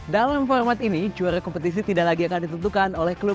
dalam format ini juara kompetisi tidak lagi akan ditentukan oleh klub